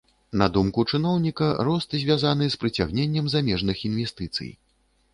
На думку чыноўніка, рост звязаны з прыцягненнем замежных інвестыцый.